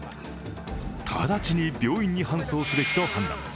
直ちに病院に搬送すべきと判断。